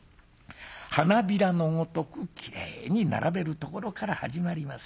花びらのごとくきれいに並べるところから始まりますよ。